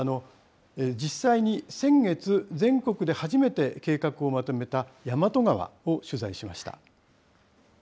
実際に先月、全国で初めて計画をまとめた、大和川を取材しました。